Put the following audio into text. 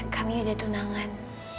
kami udah tunangan